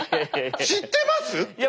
「知ってます⁉」って。